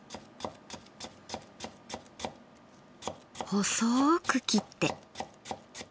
細く切って。